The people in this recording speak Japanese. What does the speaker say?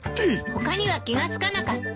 他には気が付かなかった？